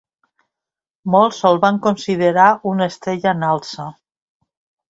Molts el van considerar una estrella en alça.